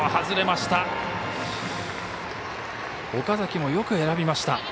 岡崎もよく選びました。